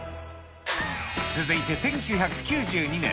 続いて１９９２年。